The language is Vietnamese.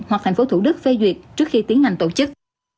hoặc thành phố thủ đức phê duyệt trước khi tiến hành tổ chức